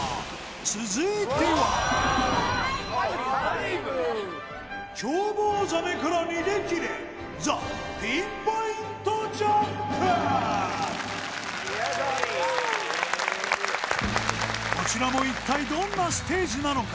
続いてはこちらも一体どんなステージなのか？